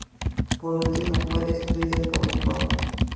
Por último, fue destruido por un fuego.